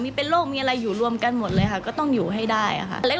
มีเป็นโรคมีอะไรอยู่รวมกันหมดเลยค่ะก็ต้องอยู่ให้ได้ค่ะ